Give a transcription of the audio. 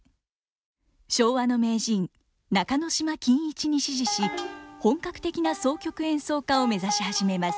昭和の名人中能島欣一に師事し本格的な箏曲演奏家を目指し始めます。